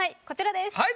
こちらです。